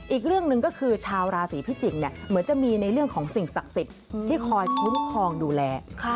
อีกเรื่องหนึ่งก็คือชาวราศีพิจิกเนี่ยเหมือนจะมีในเรื่องของสิ่งศักดิ์สิทธิ์ที่คอยคุ้มครองดูแล